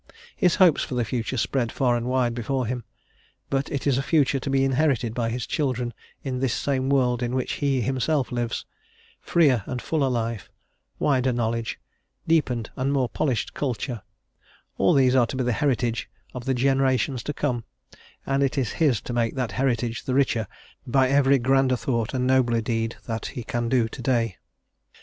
His hopes for the future spread far and wide before him, but it is a future to be inherited by his children in this same world in which he himself lives; freer and fuller life, wider knowledge, deepened and more polished culture all these are to be the heritage of the generations to come, and it is his to make that heritage the richer by every grander thought and nobler deed that he can do to day.